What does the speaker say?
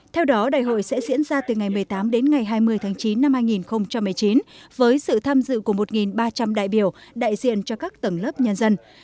theo đó đại hội sẽ diễn ra từ ngày một mươi tám đến ngày hai mươi tháng chín năm hai nghìn một mươi chín với sự tham dự của một ba trăm linh đại biểu đại diện cho các tầng lớp nhân dân